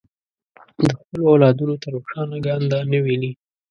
د خپلو اولادونو ته روښانه ګانده نه ویني.